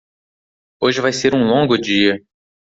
Hoje vai ser um longo dia.